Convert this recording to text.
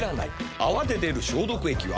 「泡で出る消毒液」は。